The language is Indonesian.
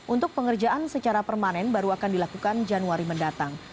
untuk pengerjaan secara permanen baru akan dilakukan januari mendatang